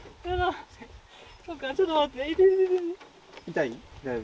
痛い？